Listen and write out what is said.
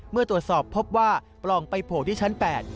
เมื่อตรวจสอบพบว่าปล่องไปโผล่ที่ชั้น๘